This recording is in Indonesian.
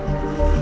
itu kebas dia